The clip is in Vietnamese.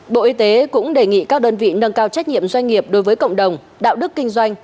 bộ y tế cũng đề nghị các đơn vị nâng cao trách nhiệm doanh nghiệp đối với cộng đồng đạo đức kinh doanh